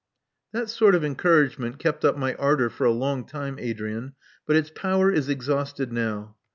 *'That sort of encouragement kept up my ardor for a long time, Adrian ; but its power is exhausted now.